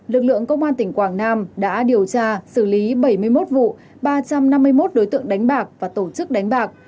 lực lượng công an tỉnh quảng nam đã điều tra xử lý bảy mươi một vụ ba trăm năm mươi một đối tượng đánh bạc và tổ chức đánh bạc